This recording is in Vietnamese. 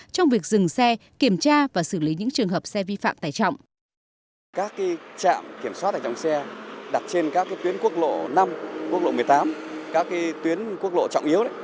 trong việc dừng xe kiểm tra và xử lý những trường hợp xe vi phạm tải trọng